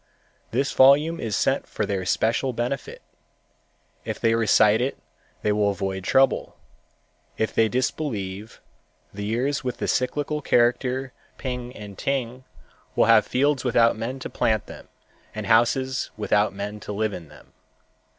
This volume is sent for their special benefit. If they recite it they will avoid trouble. If they disbelieve, the years with the cyclical character Ping and Ting will have fields without men to plant them and houses without men to live in them.